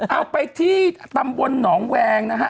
เอาไปที่ตำบลหนองแวงนะฮะ